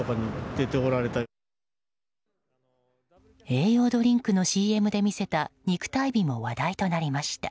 栄養ドリンクのＣＭで見せた肉体美も話題となりました。